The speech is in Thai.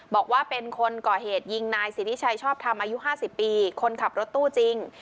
บอกว่าเป็นคนก่อเหตุยิงนายสิทธิชัยชอบทำอายุ๕๐ปีคนขับรถตู้จริง